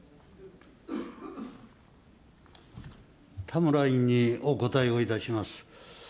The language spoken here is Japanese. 田村委員にお答えをいたします。